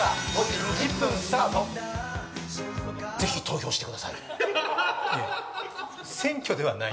是非、投票してください。